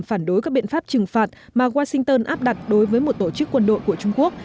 phản đối các biện pháp trừng phạt mà washington áp đặt đối với một tổ chức quân đội của trung quốc